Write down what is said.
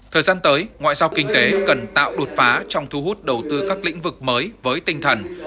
thời gian tới ngoại giao kinh tế cần tạo đột phá trong thu hút đầu tư các lĩnh vực mới với tinh thần